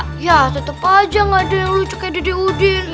maka ya tetep aja ga ada yang lucu kayak dede udin